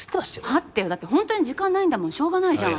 待ってよだってほんとに時間ないんだもんしょうがないじゃん。